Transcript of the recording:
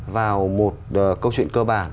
vào một câu chuyện cơ bản